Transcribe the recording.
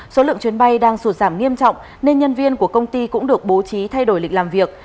số lượng chuyến bay đang sụt giảm nghiêm trọng nên nhân viên của công ty cũng được bố trí thay đổi lịch làm việc